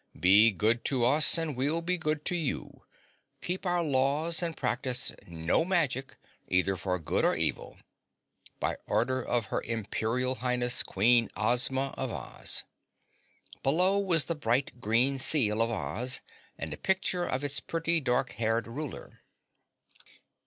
"Be good to us and we'll be good to you. Keep our laws and practice no magic, either for good or evil. By order of Her Imperial Highness, Queen Ozma of Oz." Below was the bright green seal of Oz and a picture of its pretty dark haired ruler.